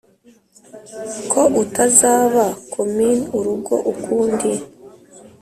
ko utazaba 'comin' urugo ukundi